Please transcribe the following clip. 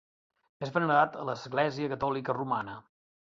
És venerat a l'església catòlica romana.